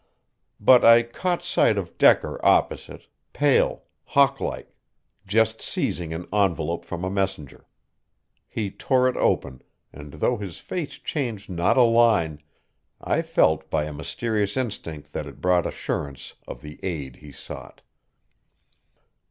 But I caught sight of Decker opposite, pale, hawklike, just seizing an envelope from a messenger. He tore it open, and though his face changed not a line, I felt by a mysterious instinct that it brought assurance of the aid he sought.